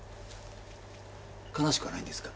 悲しくはないんですか？